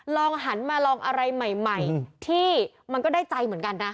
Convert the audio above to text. ลองหันมาลองอะไรใหม่ที่มันก็ได้ใจเหมือนกันนะ